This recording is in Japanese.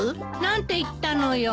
何て言ったのよ？